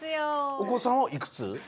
おこさんはいくつ？